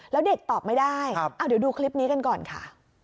แล้วเด็กตอบไม่ได้เดี๋ยวดูคลิปนี้กันก่อนค่ะ